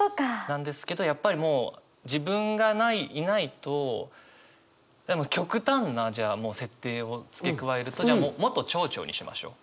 なんですけどやっぱりもう自分がいないと極端なじゃあ設定を付け加えると元町長にしましょう。